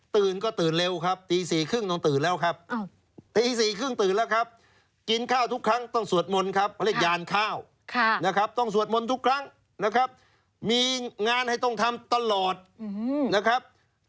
ตื่นก็ตื่นเร็วครับตี๔๓๐ต้องตื่นแล้วครับ